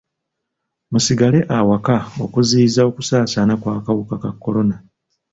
Musigale awaka okuziyiza okusaasaana kw'akawuka ka kolona.